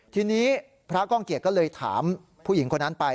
ทีนี้พระก้องเกียจก็เลยถามผู้หญิงคนนั้นไป